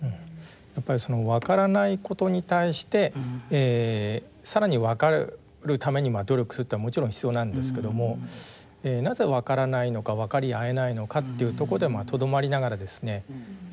やっぱりそのわからないことに対して更にわかるために努力するっていうのはもちろん必要なんですけどもなぜわからないのかわかり合えないのかっていうとこでとどまりながらですね